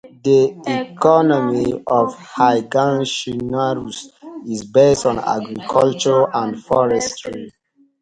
The economy of Higashinaruse is based on agriculture and forestry.